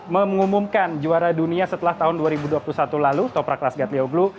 mengumumkan juara dunia setelah tahun dua ribu dua puluh satu lalu toprak rasgat leoglu